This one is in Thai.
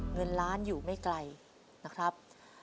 เงินล้านอยู่ไม่ไกลนะครับ